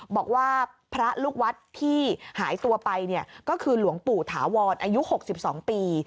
บอกว่าพระลูกวัดที่หายตัวไปเนี่ยก็คือหลวงปู่ถาวรอายุ๖๒ปี